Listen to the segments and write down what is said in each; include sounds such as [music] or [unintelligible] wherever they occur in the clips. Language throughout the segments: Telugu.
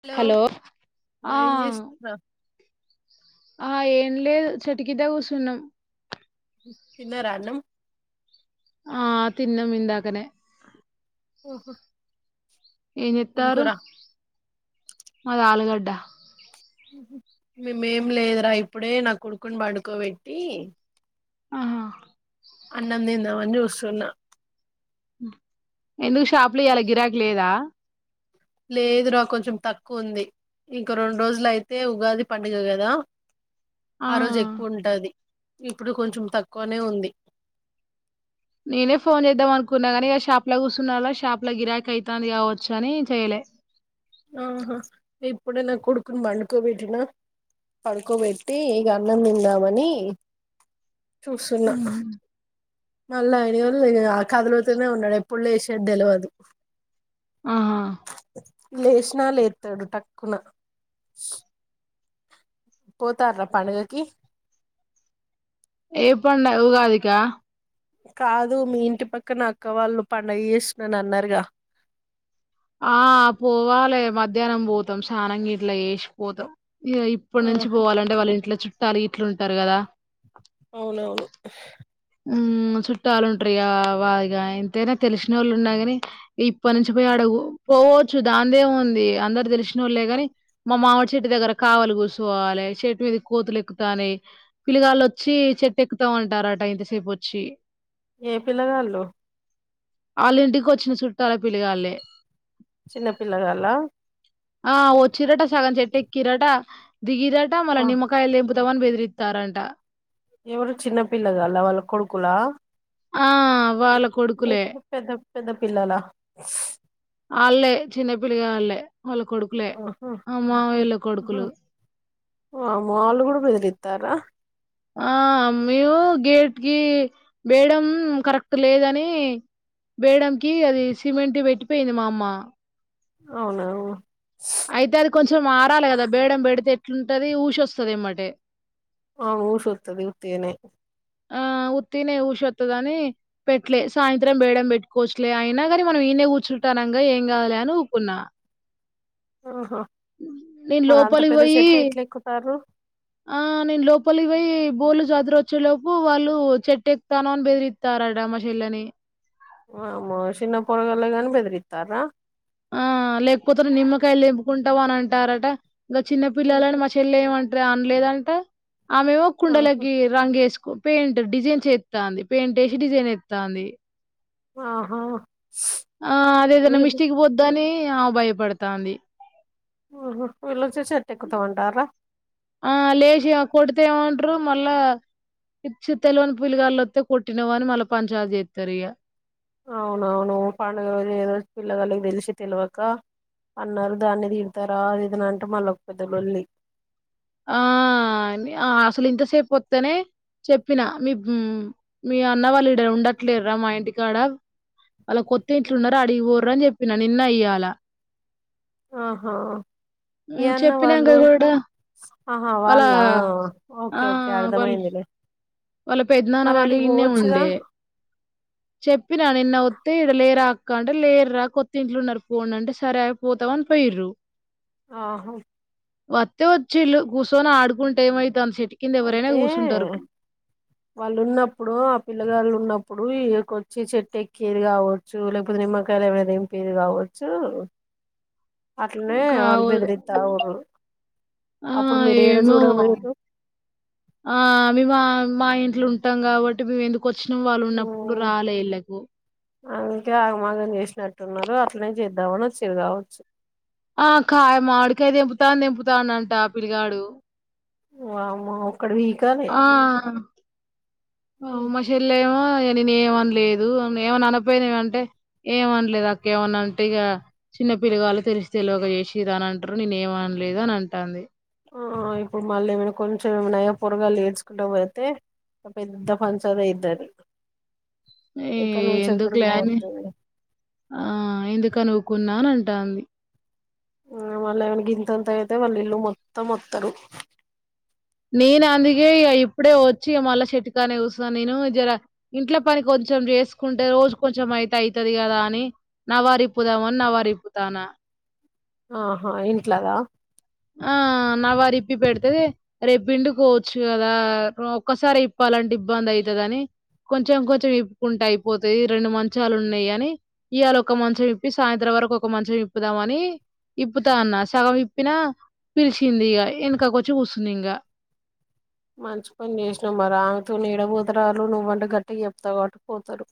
హలో ఆ ఏ చేస్తున్నావ్ ఆ ఏం లేదు చటుకిందె కూర్చున్నాం తిన్నారా అన్నం ఆ తిన్నం ఇదాకనే [unintelligible] ఏం చెత్తారు మాది ఆలుగడ్డ మీమే ఏం లేదురా ఇప్పుడే నా కొడుకుని పడుకోబెట్టి ఆహా అన్నం తిందావని వస్తున్న హ్మ్ ఎందుకు షాప్ లో ఇలా గిరాకి లేదా లేదు రా కొంచెం తక్కువ ఉంది ఇంకా రెండు రోజులు అయితే ఉగాది పండుగ కదా ఆ రోజు ఎక్కువ ఉంటది ఇప్పుడు కొంచెం తక్కువనే ఉంది నేనే ఫోన్ చేద్దాం అనుకున్నా కానీ ఇక షాప్ కూసున్న షాప్ లో గిరాకి అయితాంది కావచ్చు అని చెయలే ఆహా ఇప్పుడే నా కొడుకుని పోనుకో బెట్టిన పడుకోబెట్టి ఇగ అన్నం తిందామని చుసున్నా ఉహు. మళ్ళీ [unintelligible] ఆ కథలుతూనే ఉన్నాడు ఎప్పుడు లేసేది తెలవదు హ్మ్ లేచినా లేతడు టక్కున పోతారా పడుగకి ఏ పడివ ఉగాది కా కాదు మీ ఇంటి పక్క నా అక్క వాళ్ళు పడుగ చేస్తు చేస్తున్నాని అన్నారుగా ఆ పోవాలే మధ్యాహ్నం పోతాం స్నానంగిట్ల చేసిపోతాం ఇగ ఆ ఇప్పడునుంచి పోవాలంటే వాళ్ళు ఇంట్లో చుట్టారు ఎట్లుంటారు కదా అవునవును హ్మ్మ్ చుట్టాలు ఉంట్రయాగ వాదిగా ఎంతైనా తెలిసిన వాళ్ళు ఉన్నగాని ఇప్పనుంచి పోయి ఆడ పోవచ్చు దాందేముంది అందరు తెలిసిన వాళ్ళలే గని మా మామిడి చెట్టు దగ్గర కావాలి కూచో వాలి చెట్ మీద కోతులు ఎక్కుతాయి పిలిగాళ్ళ వచ్చి చెట్టు ఎక్కుతామంటారుట ఇంత పొచ్చి ఏ పిల్లగాళ్ళు వాళ్ళ ఇంటికి వచ్చిన చుట్టాల పిలిగాళ్ళలే చిన్నపిల్లలా ఆ ఓ చిరట సగం చెట్ట ఎక్కిరాట దిగిరాట మళ్ వా నిమ్మకాయలు తవన్ బెదిరిస్తారంట ఎవరు చిన్నపిల్లగా అలా వాళ్ళ కొడుకులా ఆ వాళ కొడుకులే లేకపోతే పెద్ద పెద్ద పిల్లలా వాళ్ళే చిన్న పిల్లగ వాళ్ళే వాళ్ళ కొడుకులే ఆహా అమ్ మా వళ్ళ కొడుకులు ఆ మాలు కూడా బదిరితారా ఆ మేము గేట్ కి వేయడం కరెక్ట్ లేదని బేడంకి అది సిమెంట్ పెట్టిపోయింది మామ్మా అవునావును అయితే అది కొంచెం మరాలి కదా బేడం బెడితే ఎట్లుంటది ఊషొస్తుంది ఏమటే ఆ ఊషతుది ఉత్తగానే ఆ త ఊషతుద అని పెట్టలే సాయంత్రం బేడం పెట్టుకోవచ్చలే అయినా కాని మనం ఈ కూర్చు నంగా ఏం కావాలి అని ఊకున్నా ఆహా నీను మరి అంత లోపలి పెద్ద పోయి చెట్టు ఎట్లా ఎక్కుతారు ఆ నేను లోపలి పోయి బోలు చాదర వచ్చేలోపు వాళ్ళు చెట్ ఎకుతానో అని బెదిరిస్తారట మా చెల్లని ఆ మషన్న పరగల్ గ అనిబెద్రి ఇతారా ఆ లేకపోతే నిమ్మకాయలు దింపుకుంటావు అని అంటారట ఇంకా చిన్న పిల్లలని మా చెల్ల ఏమంటారు అనలేదంట ఆమెేమ కుండలకి రంగ వేసుకు పెయింట్ డిజైన్ చేస్తాంది పెయింట్ వేసి డిజైన్ ఎస్తాంది ఆహా ఆ అదేదైనా ఆహా మిస్ేకి పోద్ద అని భయపడతాంది ఓహ పలా ఆ లేేచ కొతేవాంట మళ్ళా ఇ చిి తెలువని పులిగాళ్ళ వస్తతే కొట్నవు అని మళ్ళ పనించ చేస్తారు ఇక అవునవును పండుగ ఏదోజు పిల్లగలికి తెలిసి తెలివక అన్నారు దాన్ని తీడతారా లేదన అంటే మళ్ళకు పెద్దలల్ళలి ఆ అసలు ఇంతసేపు వస్తానే చెప్పినా మీ మీ అన్న వాళ్ళు ఇ ఉండట్లేరు రా మా ఇంటికాడ అలా కొత్త ఇంట్లు ఉన్నార అడిగి పోర అని చెప్పిన నిన్న అయ్యాల ఆహా ఏన్న చెప్పినాక వాళ్ళు కూడా ఆహా వాళ్ళ ఆ ఓకే ఓకే వాళ్ళ అర్థమయిందిలే వాళ్ళ పెద్నాన వాళ్ళు ఈన్న ఉండే చెప్పినా నిన్న వస్తే ఇడ లే రాక్క అంటే లేర రా కొత్తతి ఇంట్లు ఉన్నారు పోం అంటే సరి అపోతాం అని పోయ్రు ఆహో వస్తే వచ్చి ఇళ్ళు కూర్చొని ఆడుకుంట ఏమైతు అంత చెట్ కింద ఎవరైనా అయితే కూర్చుంటారు వాళ్ళు ఉన్నప్పుడు ఆ పిల్లగాళ్ళు ఉన్నప్పుడుక వచ్చి చెట్టు ఎక్కేది కావచ్చు లేకపోతే నిమక్క ాల ఎవ ఏం పేరు కావచ్చు అట్లనే వాళ్ళు ఇకావు బెదిరిత్తా ఊర్రు ఆ అప్పుడు మీరు ఏడ ఏమో చూడపోయిర్రు ఆ మా ఇంట్లో ఉంటాం కాబట్టి మేము ఎందుకు వచ్చినం వాళ్ళు ఉన్నప్పుడు రాలే ఇళ్ళలకు అంకే ఆగమాగం చేసినట్టున్నారు అట్లనే చేద్దామ అని చిరు కావచ్చు ఆ కాయ మామిడి కాయ తెంపుతా ఎంపుతాండంట ఆ పిల్లగాడు, వామ్మో ఒకటి పీకాలే ఉ మా చెల్లెమో ఎ నేను ఏమని లేదు ఏమని అనపోయినావ అంటే ఏమనలేదు అక్కేమన్నా అంటే ఇక చిన్న పిల్లగా వాళ్ళు తెలిసి తెలియక చేసిరు అని అంటారు, నేను ఏమనలేదు అని అంటాంది ఆ ఇప్పుడు మళ్ళీ ఏమైనా కొంచెం ఏమనాయా పొరగాలు ఏడ్చుకుంటా పోతే ఇగా పెద్ద పంచాయతీ అయిదాది. ఏ ఎందుకులేని ఆ ఎందుకు అన్ని ఉకున్నా, అంటంది. ఆ వాళ్ళు ఏమనా గింతంతా అయితే వాళ్ళు ఇల్లు మొత్తం వత్తారు, నేను అందుకే ఇప్పుడే వచ్చి మల్ల చెట్టుకానే కూసున్న నేను జర ఇంట్లో పనికి వచ్చ కొంచెం చేసుకుంటే రోజు కొంచెం అయితే అయితది కదా అని, నవారిపుదావని, నవారు ఇపుతానా, ఆహా ఇంట్లదా ఆ నవారి ఇప్పి పెడితే రేప్పిండికోవచ్చు కదా ఒక్కసారి ఇప్పాలంటే ఇబ్బంది అవుతుంది, కాని కొంచెం కొంచెం విప్పుకుంటూ అయిపోతుది రెండు మంచాలు ఉన్నాయి, అని ఇవాళ ఒక మంచం విప్పి సాయంత్రం ఇవరకు ఒక మంచం ఇప్పుదాం అని ఇప్పుతా అన్న సగం ఇప్పినా, పిలిచింది ఇగా వెనకాక వచ్చి కూర్స్తుంది ఇంకా మంచి పని చేసినావు మరి ఆమెతోని ఎ డబూతరాలు నువ్వంటే గట్టిగా చెప్తాతావు కాబట్టి పోతారు.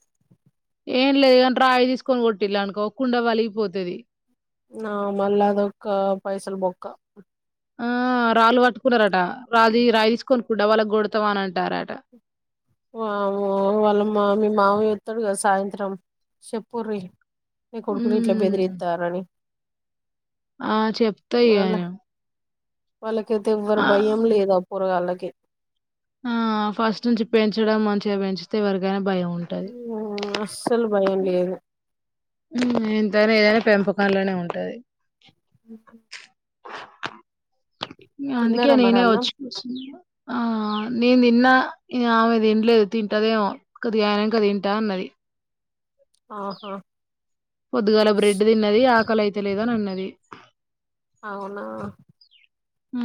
ఏం లేదు కానీ రాయి తీసుకొని కొట్టిలా అనుకో కుండా వలిగిపోతది. ఆ మళ్ళా అదొక్క పైసలు బొక్క ఆ రాళ్ళు పట్టుకున్నారట రా రాయి తీసుకొన్ని కుండా పళ్ళకొడతాం అని అంటారట వామ్మో వాళ్ళ మా మీ మామి వస్తాడు కదా సాయంత్రం చెప్పురి ని కొడుకులు ఇట్లా హ్మ్. బెదిరిస్తారని, ఆ చెప్తాయిగా వాళ్ళ వాళ్ళకైతే ఎవ్వరు భయం లేదు ఆ పొరగాళ్లకి ఆ ఫస్ట్ నుంచి పెంచడం మంచిగా పెంచితేే ఎవరికైనా భయం ఉంటది ఆ అస్సలు భయం లేదు ఎంతనా ఏదైనా పెంపకంలోనే ఉంటది. [unintelligible] అందుకే తిన్నారా మరి నేనే అన్నం వచ్చి కూచున్నా ఆ నేను తిన్నా ఆమె తినలేదు తింటదేమో కోద్ధిగాయనక తింటా అన్నది, ఆహా పొద్దుగాల బ్రెడ్ తిన్నది ఆకలి అయితే లేద అని అన్నది అవునా ఆ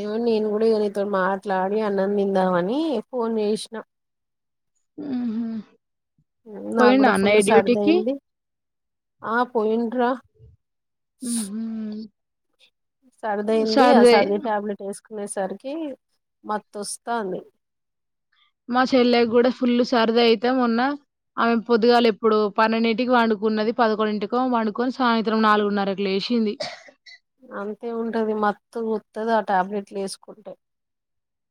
ఏమో నేను కూడా ని ఇతోని మాట్లాడి అన్నందిందామని ఫోన్ చేసినా ఉహు నా కూడా ఫుల్ సర్దయింది ఆ పోయిండ్రా ఉఉ సర్దయింది ఆ సర్ది టాబ్లెట్ వే వేసుకోనేసరికి మత్తు వస్తాఅంది. మా చెల్లకి కూడా ఫుల్ సర్ది అయితే మొన్న ఆమె పొదుగాలి ఇప్పుడు పన్నెండింటికి పం డుకు ఉన్నది పదకొడింటికి వండుకొని సాయంత్రం నాలుగున్నారా కి లేచ లేచింది అంతే ఉంటది మత్తు గా వాతది ఆ టాబ్లెట్లు వేసుకుంటే,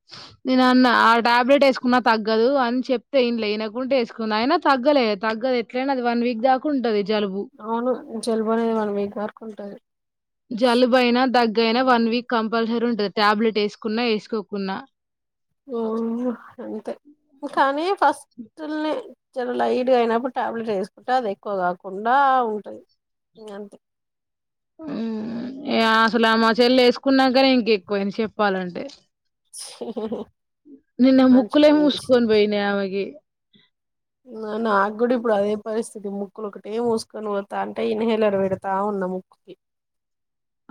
[unintelligible] నేను అన్న ఆ ట్యాబ్లెట్ వేసుకున్నా తగ్గదు అని చెప్తే ఏయన వినకుంటే వేసుకుంద అయినా తగ్గలే తగ్ గాది ఎట్లయినా అది వన్ వీక్ దాకా ఉంటది. జలుబు అవును జల్లుబు అనేది వన్ వీక్ దాకా ఉంటది. జలుబయినా దగ్గయినా వన్ వీక్ కంపల్సరీ ఉంటది టాబ్లెట్ వేసుకున్నా వేసుకోకున్నా అంతే కానీ ఫస్ [unintelligible] చాలా లైట్గా అయినప్పుడు టాబ్లెట్ వేసుకుంటే అది ఎక్కువ కాకుండా ఉంటది అంతే అసలు మా చెల్ వేసుకున్నాకనీ ఇంకెక్కువైనా చెప్పాలంటే నిన్న మంచి ముక్లే పని ముసుకొని చేసింది పోయినే ఆమె కి నాకు గూడ ఇప్పుడు అదే పరిస్థితి ముక్ ముక్కులు ఒకటేం మూసుకొని పోతా ఉంటే ఇన్హేలర్ పెడతా ఉన్న ముక్కుకి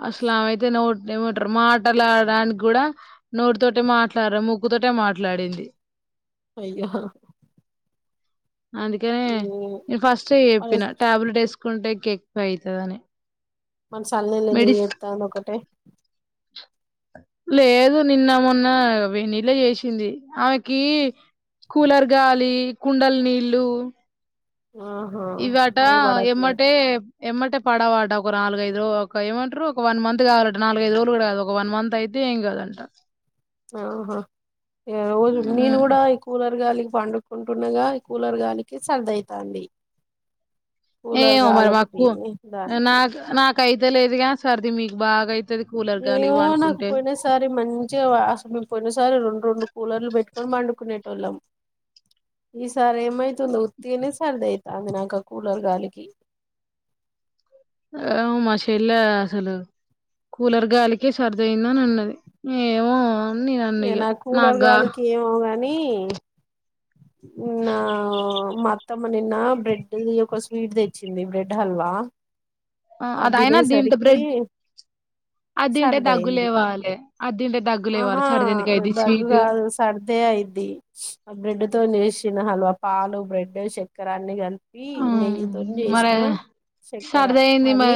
అస్లా అయితే నో ఏమంటారు మాట్లాడడానికి కూడ నోటితోటే మాట్లాడరు ముక్కుతోటే మాట్లాడింది అయ్యో అందుకని హ్మ్ నేను ఫస్ట్ మన చెప్పిన ట్యాబులెట్ వేసుకుంటే కెక్వే అవుతుందని మన చల్ నెళ్ళ ఎందుకు ఏరుతాను ఒకటే లేదు నిన్న మొన్న వేడి నీళ్ళే చేసింది ఆమెకి కూలర్ గాలి కుండలు నీళ్ళు ఆహా ఇవాట అవి పడట్లేదు ఎమ్మటే ఏమంటే పడవవాట ఒక నాలుగైదు రో ఒక ఏమంటారు ఒక వన్ మంత్ కావాలట నాలుగైదు రోజులు కూడా కాదు ఒక వన్ మంత్ అయితే ఏం కాదంట ఆహా రోజు నేను ఉమ్. కూడ ఈ కూలర్ గాలి పండుకుంటుండగ కూలర్ గాలికి సర్దయితంది ఏమో మరి మాకు దానికి నాకు నాకైతే లేదు కా సర్ది మీకు బాగాయి ఏమో నాకు పోయిన సారి మంచిగాసలు మేము పోయిన సారి రెండు రెండు కూలర్లు పెట్టుకొని మండుకునేటోళ్ళం ఈసారి ఏమైతుందో ఉత్తినే సరిది అవుతుంది నాక కూలర్ గాలికి ఆ మా చెల్ల అసలు కూలర్ గాలికే సర్దయిందని ఉన్నది ఏమో నీ అన్నిగ నా కూలర్ నగా గాలికి ఏమో గాని నా అత్తమ్మ నిన్న బ్రెడ్ది ఒక స్వీట్ తెచ్చింది బ్రెడ్ హల్వా అ అది అయినా దీంతో తినేసరికి బ్రెడ్ అది తింటే దగ్గు సరదయింది లేవాలే అది తింటే దగ్గు లేవాలే ఆహా సర్ది ఎందుకు అయిద్ది దగ్గు స్వీట్ కాదు సర్దే అయిది ఆ బ్రెడ్ తో చేసి హల్వ పాలు బ్రెడ్ చక్కెర అన్ని క కల్పి ఆ నెయ్యి తొని మరి చేసిన చక్కెర సర్ది అయింది మ అది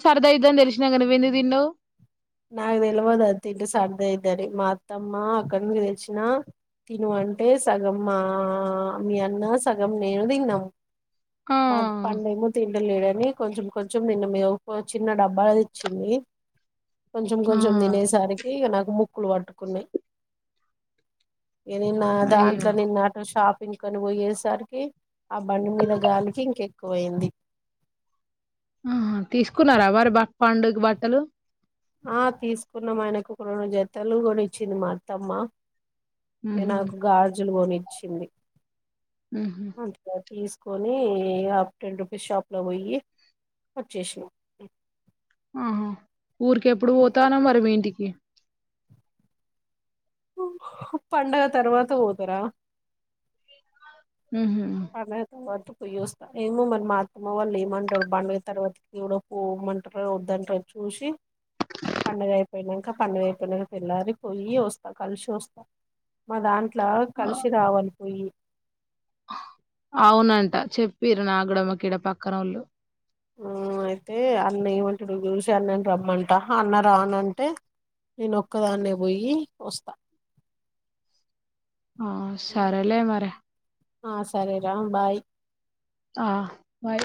[unintelligible] నాకు తెలివదు అ తిండి సర్దు అయ్యిదని మా అత్తమ్మ అక్కడి తెచ్చినా తను అంటే సగం మా మీ అన్న సగం నేను తిన్నాము ఆ మా పండ ఏమో తిండులేడని కొంచెం కొంచెం నిన్ను మీద చిన్న డబ్బాలు ఇచ్చింది కొంచెం ఆ కొంచెం తినేసరికి నాకు ముక్కులు పట్టుకున్నాయి నిన్న అయ్యో దాంట్లో నిన్నటు షాప్ [unintelligible] పోయేసరికి ఆ బండి మీద గాలికి ఇంకెక్కువ అయింది ఆ తీసుకున్నారా మరి బ పండుగ బట్టలు ఆ తీసుకున్నం ఆయనకు [unintelligible] కోనిచ్చింది మా అత్తమ్మ ఉహు నాకు గాజులు కొనిచింది ఉహు అగా తీసు కని హఫ్ టెన్ రూపీస్ షాప్ లో పోయి వచ్చేసినాం ఆహా ఊరికి ఎప్పుడు పోతానో మరి మీ ఇంటికి పండగ తర్వాత పోతార ఉహు అ తర్వాత పోయోస్త ఏమో మరి మా అత్తమ్మ వాళ్ళు ఏమంటారు బండవి తర్వాత కూడ పో ఇమంటార వద్దంటార చూసి పండుగ అయిపోయినంక పండుగ అయిపోయిన తేల్లారి పోయి వస్తా కలిసి వస్తా మా దాంట్లో కలిసి రావాలి పోయి అవునంట చెప్పిరు నాకుగూడ మాకు ఈడ పక్కన నోళ్ళు హు అయితే అన్న ఏమంటడో చూసి అన్నను రమ్మంటా అన్న రానంటే నేను ఒక్కదాన్నే పోయి వస్తా ఆ సరేలే మరే ఆ సరేరా బాయ్ ఆ బాయ్